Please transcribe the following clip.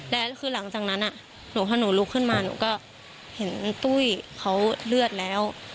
แล้วคือหลังจากนั้นพอหนูลุกขึ้นมาหนูก็เห็นตุ้ยเขาเลือดแล้ว